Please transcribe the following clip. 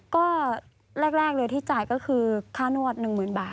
ก็แรกเลยที่จ่ายก็คือค่านวด๑๐๐๐บาท